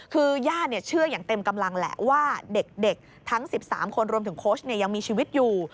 คือญาติเชื่ออย่างเต็มกำลังแหละว่าเด็กทั้ง๑๓คนรวมถึงโค้ชยังมีชีวิตอยู่